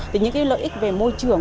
thì những lợi ích về môi trường